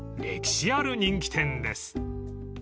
歴史ある人気店です］